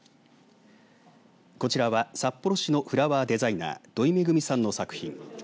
こちらは札幌市のフラワーデザイナー土井めぐみさんの作品。